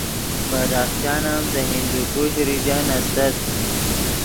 بدخشان ام دے ہندوکش ریجن استت